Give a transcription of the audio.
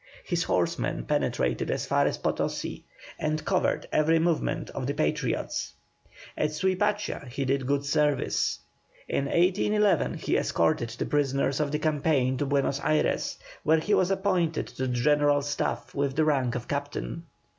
His horsemen penetrated as far as Potosi, and covered every movement of the Patriots. At Suipacha he did good service. In 1811 he escorted the prisoners of the campaign to Buenos Ayres, where he was appointed to the general staff with the rank of captain.